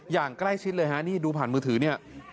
อย่างใกล้ชิดเลยฮะนี่ดูผ่านมือถือเนี่ย